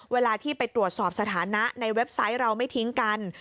เวลาที่ไปตรวจสอบสถานะในเว็บไซต์เราไม่ทิ้งกัน